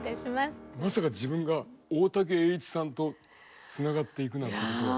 まさか自分が大瀧詠一さんとつながっていくなんてことは。